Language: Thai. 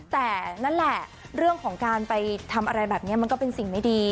แต่นั่นแหละเรื่องของการไปทำอะไรแบบนี้มันก็เป็นสิ่งไม่ดี